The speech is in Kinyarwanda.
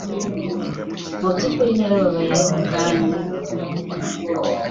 mu byukuri narababaye ariko kandi